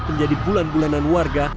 menjadi bulan bulanan warga